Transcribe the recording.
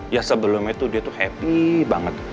ya sebelum itu dia tuh happy banget